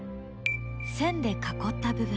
線で囲った部分。